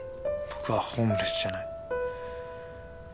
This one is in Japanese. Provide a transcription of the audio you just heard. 僕はホームレスじゃない。